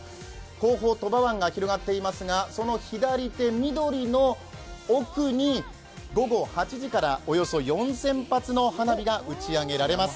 後方、鳥羽湾が広がっていますが、その左手、緑の奥に午後８時からおよそ４０００発の花火が打ち上げられます。